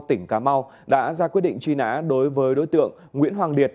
tỉnh ca mau đã ra quyết định truy nã đối với đối tượng nguyễn hoàng điệt